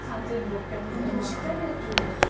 でも下がらなくてよかったです。